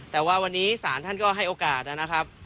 แต่ว่าวันนี้ศาลท่านก็ให้โอกาสนะครับ